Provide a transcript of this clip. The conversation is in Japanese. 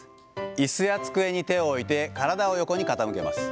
いすや机に手を置いて、体を横に傾けます。